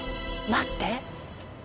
待って。